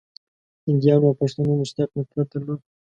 هنديانو او پښتنو مشترک نفرت درلود.